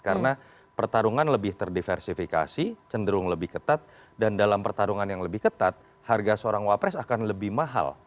karena pertarungan lebih terdiversifikasi cenderung lebih ketat dan dalam pertarungan yang lebih ketat harga seorang wapres akan lebih mahal